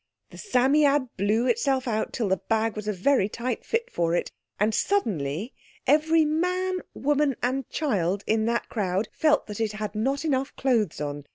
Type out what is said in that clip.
The Psammead blew itself out till the bag was a very tight fit for it; and suddenly every man, woman, and child in that crowd felt that it had not enough clothes on.